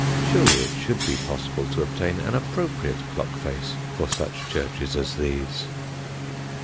Surely it should be possible to obtain an appropriate clock face for such churches as these.